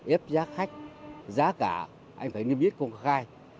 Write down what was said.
ép giá khách giá cả anh phải biết công khai